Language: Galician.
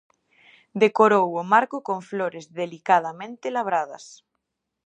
Decorou o marco con flores delicadamente labradas.